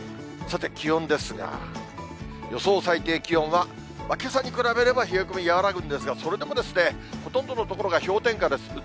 さて、気温ですが、予想最低気温はけさに比べれば冷え込み和らぐんですが、それでもほとんどの所が氷点下です。